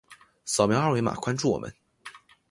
扫描二维码关注我们。